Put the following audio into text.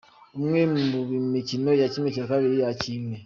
Imwe mu mikino ya ½ yakinwe:.